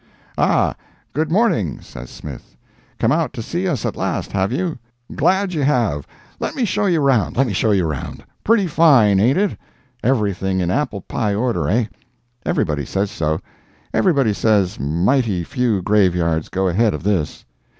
"Ah, good morning," says Smith, "come out to see us at last, have you?—glad you have! let me show you round—let me show you round. Pretty fine ain't it?—everything in apple pie order, eh? Everybody says so—everybody says mighty few graveyards go ahead of this.